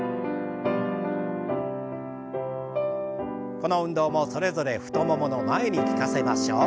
この運動もそれぞれ太ももの前に効かせましょう。